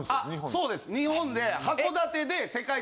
そうです日本で。